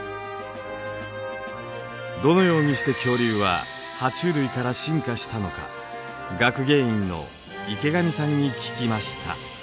どのようにして恐竜はハチュウ類から進化したのか学芸員の池上さんに聞きました。